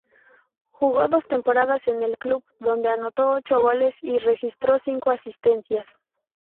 Jugó dos temporadas en el club, donde anotó ocho goles y registró cinco asistencias.